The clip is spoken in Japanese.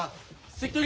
関取